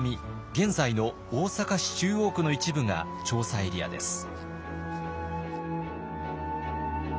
現在の大阪市中央区の一部が調査エリアです。